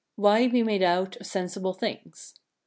Why we may doubt of sensible things.